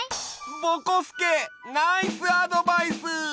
ぼこすけナイスアドバイス！